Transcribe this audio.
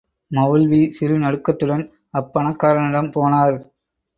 மவுல்வி—சிறு நடுக்கத்துடன் அப் பணக்காரனிடம் போனார்.